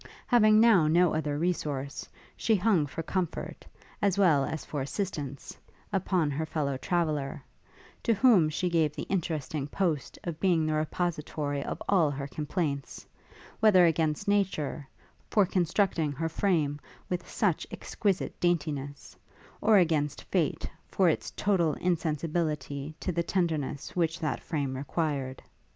Having now no other resource, she hung for comfort, as well as for assistance, upon her fellow traveller, to whom she gave the interesting post of being the repository of all her complaints, whether against nature, for constructing her frame with such exquisite daintiness, or against fate, for its total insensibility to the tenderness which that frame required.